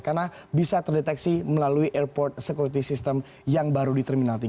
karena bisa terdeteksi melalui airport security system yang baru di terminal tiga